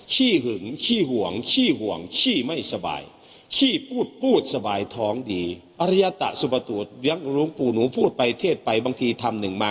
ขี้หึงขี้ห่วงขี้ห่วงขี้ไม่สบายขี้พูดพูดสบายท้องดีอริยตะสุปตุยังหลวงปู่หนูพูดไปเทศไปบางทีทำหนึ่งมา